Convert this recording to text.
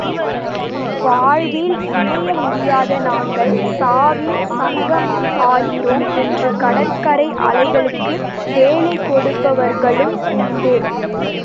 வாழ்வில் இணையமுடியாத நாங்கள் சாவில் சங்கமம் ஆகிறோம் என்று கடற்கரை அலைகளுக்கு வேலை கொடுப்பவர்களும் உண்டு.